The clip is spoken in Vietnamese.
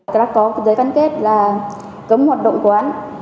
các đối tượng đã có phân kết là cấm hoạt động của ấn